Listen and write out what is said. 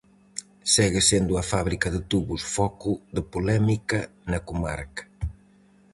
Segue sendo a fábrica de tubos foco de polémica na comarca.